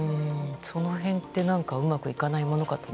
その辺って何かうまくいかないものかと。